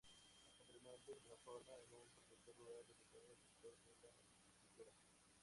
Posteriormente se transforma en un productor rural dedicado al sector de la apicultura.